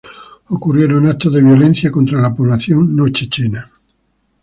Ocurrieron actos de violencia contra la población no-chechena.